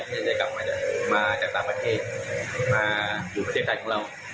ที่จะกลับมามาจากซากประเทศวืนประเทศไทยของเรา